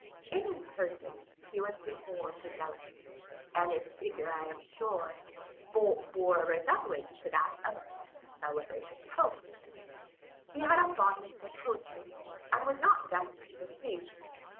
In his person he was deformed and delicate; and his figure, I am told, bore a resemblance to that of the celebrated Pope. He had a fondness for poetry, and was not destitute of taste.